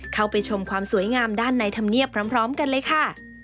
เข้าไปชมความสวยงามด้านในธรรมเนียบพร้อมกันเลยค่ะ